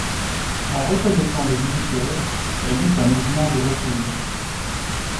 En reconnaissant le visiteur, elle eut un mouvement de recul.